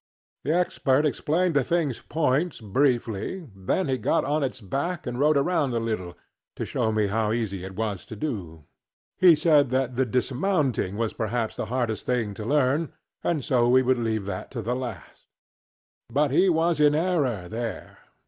The Expert explained the thingŌĆÖs points briefly, then he got on its back and rode around a little, to show me how easy it was to do. He said that the dismounting was perhaps the hardest thing to learn, and so we would leave that to the last. But he was in error there.